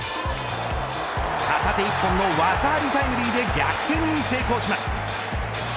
片手一本の技ありタイムリーで逆転に成功します。